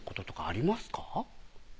あります